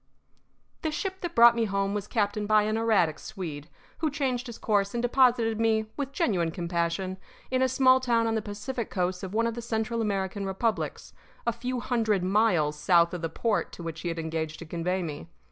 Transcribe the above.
The ship that brought me home was captained by an erratic Swede, who changed his course and deposited me, with genuine compassion, in a small town on the Pacific coast of one of the Central American republics, a few hundred miles south of the port to which he had engaged to convey me.